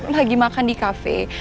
lagi makan di cafe